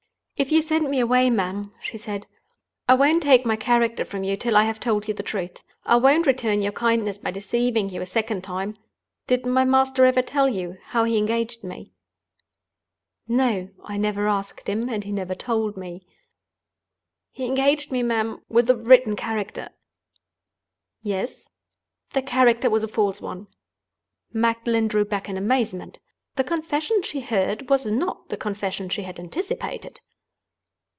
"If you send me away, ma'am," she said, "I won't take my character from you till I have told you the truth; I won't return your kindness by deceiving you a second time. Did my master ever tell you how he engaged me?" "No. I never asked him, and he never told me." "He engaged me, ma'am, with a written character—" "Yes?" "The character was a false one." Magdalen drew back in amazement. The confession she heard was not the confession she had anticipated.